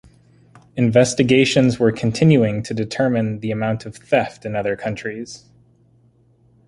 Investigations were continuing to determine the amount of theft in other countries.